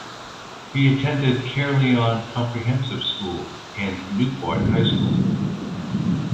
He attended Caerleon Comprehensive School and Newport High School.